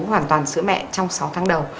hoàn toàn sữa mẹ trong sáu tháng đầu